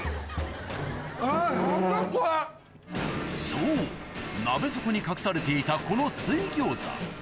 そう鍋底に隠されていたこの水餃子